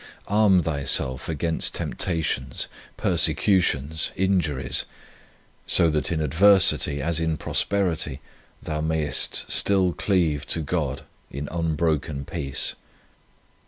Arm thyself against temptations, persecutions, injuries, so that in adversity as in prosperity, thou mayest still cleave to God in un broken peace.